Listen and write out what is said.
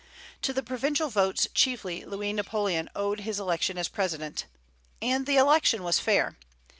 To the provincial votes chiefly Louis Napoleon owed his election as President, and the election was fair.